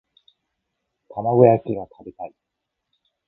玉子焼きが食べたい